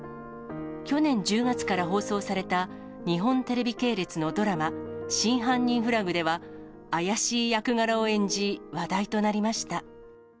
去年１０月から放送された、日本テレビ系列のドラマ、真犯人フラグでは、怪しい役柄を演じ、話題となりました。